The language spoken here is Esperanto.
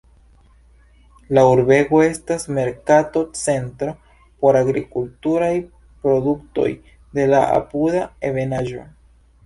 La urbego estas merkato-centro por agrikulturaj produktoj de la apuda ebenaĵo.